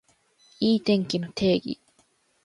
いい天気の定義